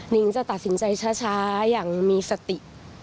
นิ้งจะตัดสินใจช้าอย่างมีสติ